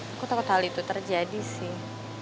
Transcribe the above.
aku takut hal itu terjadi sih